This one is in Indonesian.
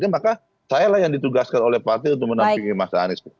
maka saya yang ditugaskan oleh partai untuk menampilkan